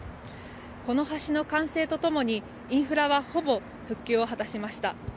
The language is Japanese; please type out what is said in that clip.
この橋の完成とともに、インフラはほぼ復旧を果たしました。